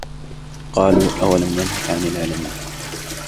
قَالُوا أَوَلَمْ نَنْهَكَ عَنِ الْعَالَمِينَ